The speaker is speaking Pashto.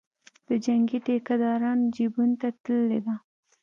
د جنګي ټیکدارانو جیبونو ته تللې ده.